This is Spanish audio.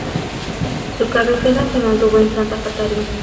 Su cabecera se mantuvo en Santa Catarina.